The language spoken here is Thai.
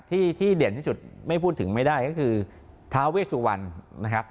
ที่ที่เด่นที่สุดไม่พูดถึงไม่ได้ก็คือท้าเวสุวรรณนะครับ